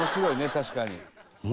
確かに」